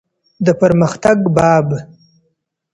د پرمختګ باب.